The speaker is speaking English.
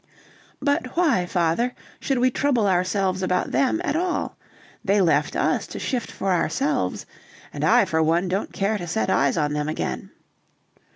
"But why, father, should we trouble ourselves about them at all? They left us to shift for ourselves, and I for one don't care to set eyes on them again."